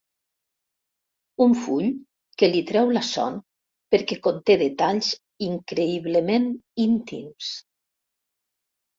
Un full que li treu la son perquè conté detalls increïblement íntims.